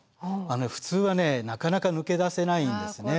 あのね普通はねなかなか抜け出せないんですね。